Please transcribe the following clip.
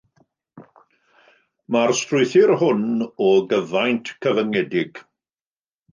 Mae'r strwythur hwn o gyfaint cyfyngedig.